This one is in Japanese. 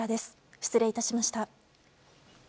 失礼致しました。